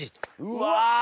うわ！